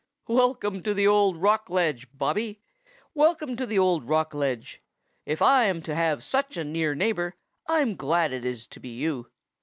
"Welcome to the old rock ledge, Bobby. Welcome to the old rock ledge. If I am to have such a near neighbor, I'm glad it is to be you.